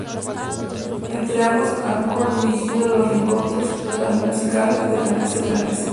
Entre ambos han codirigido los "Rencontres trans musicales" de Rennes.